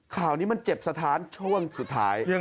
ข่าวนี้มันเจ็บสะท้านช่วงสุดท้าย